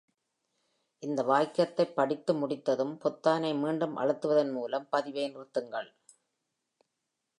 இந்த வாக்கியத்தைப் படித்து முடித்ததும், பொத்தானை மீண்டும் அழுத்துவதன் மூலம் பதிவை நிறுத்துங்கள்.